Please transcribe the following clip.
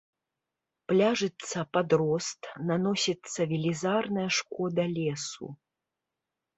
Пляжыцца падрост, наносіцца велізарная шкода лесу.